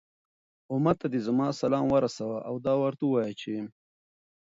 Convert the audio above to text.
أمت ته دي زما سلام ورسوه، او دا ورته ووايه چې